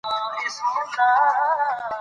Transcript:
د دښتو لپاره دپرمختیا پروګرامونه شته.